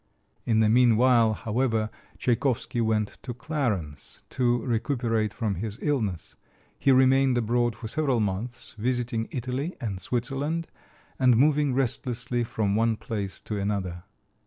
In the meanwhile, however, Tchaikovsky went to Clarens to recuperate from his illness. He remained abroad for several months, visiting Italy and Switzerland, and moving restlessly from one place to another.